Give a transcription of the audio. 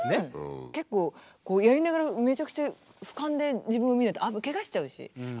結構やりながらめちゃくちゃ俯瞰で自分を見ないとけがしちゃうし相手も。